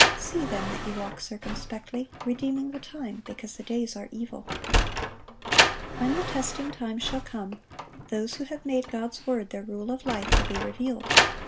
See then that ye walk circumspectly, ... redeeming the time, because the days are evil."(1039) When the testing time shall come, those who have made God's word their rule of life will be revealed.